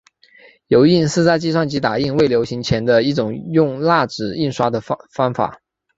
油印是在计算机打印未流行前的一种用蜡纸印刷的方法。